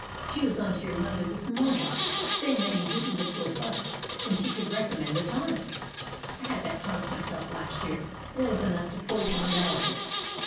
She was on to your mother this morning, say ing that you didn't look robust, and she could recom mend a tonic. I had that tonic myself last year, and it was enough to poison an elephant."